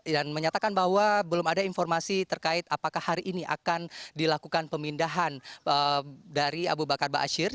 dan menyatakan bahwa belum ada informasi terkait apakah hari ini akan dilakukan pemindahan dari abu bakar ba'asyir